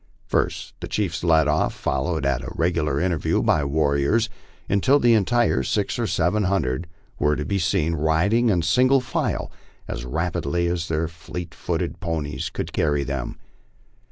First the chiefs led off, followed at regular intervals by the warriors, until the entire six or seven hundred were to be seen riding in single file as rapidly as their fleet footed ponies could carry them.